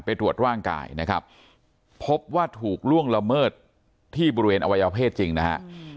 ตรวจร่างกายนะครับพบว่าถูกล่วงละเมิดที่บริเวณอวัยวเพศจริงนะฮะ